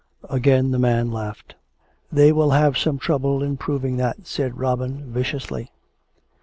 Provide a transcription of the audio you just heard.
Again the man laughed. " They will have some trouble in proving that," said Robin viciously.